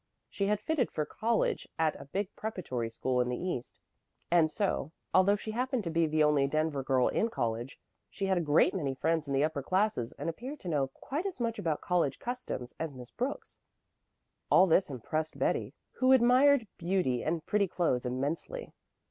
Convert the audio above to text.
She had fitted for college at a big preparatory school in the east, and so, although she happened to be the only Denver girl in college, she had a great many friends in the upper classes and appeared to know quite as much about college customs as Miss Brooks. All this impressed Betty, who admired beauty and pretty clothes immensely.